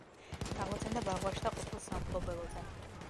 აღმოცენდა ბაღვაშთა ყოფილ სამფლობელოზე.